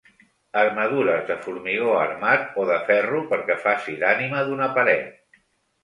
Armadures de formigó armat o de ferro perquè faci d'ànima d'una paret.